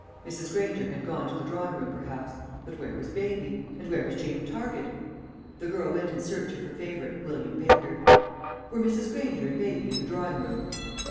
Mrs. Granger had gone to the drawing room perhaps; but where was baby? and where was Jane Target? The girl went in search of her favourite, William Baker. Were Mrs. Granger and baby in the drawing room?